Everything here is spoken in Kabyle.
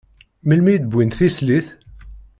Melmi i d-wwin tislit?